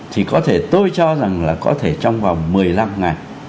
thì có thể tôi cho rằng là có thể trong vòng một mươi năm ngày